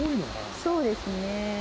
そうですね。